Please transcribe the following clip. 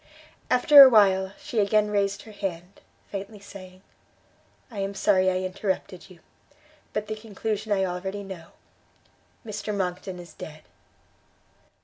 After a while, she again raised her head, faintly saying, "I am sorry I interrupted you; but the conclusion I already know, Mr Monckton is dead!"